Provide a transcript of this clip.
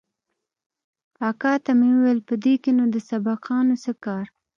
اکا ته مې وويل په دې کښې نو د سبقانو څه کار.